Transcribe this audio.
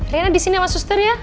rena disini sama suster ya